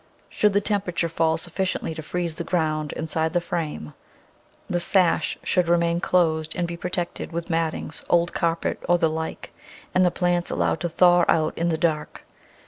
Should the temperature fall sufficiently to freeze the ground inside the frame, the sash should remain closed and be protected with mattings, old carpet, or the like, and the plants allowed to thaw out in the dark.